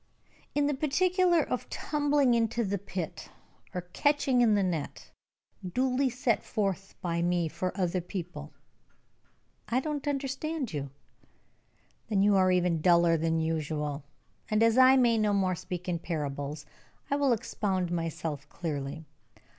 "In the particular of tumbling into the pit, or catching in the net, duly set forth by me for other people." "I don't quite understand you." "Then you are even duller than usual, and, as I may no more speak in parables, I will expound myself clearly.